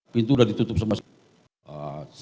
pintu udah ditutup semua